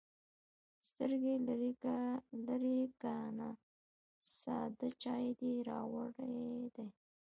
_سترګې لرې که نه، ساده چای دې راوړی دی.